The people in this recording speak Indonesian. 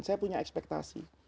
saya punya ekspektasi